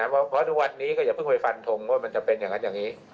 เพราะทุกวันนี้ก็อย่าเพิ่งไปฟันทงว่ามันจะเป็นอย่างนั้นอย่างนี้